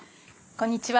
こんにちは。